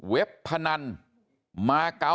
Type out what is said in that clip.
เว็บพนันม๙๘๘๘